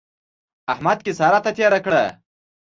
احمد کيسه راته تېره کړه.